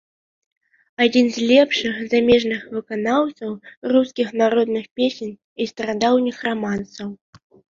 Адзін з лепшых замежных выканаўцаў рускіх народных песень і старадаўніх рамансаў.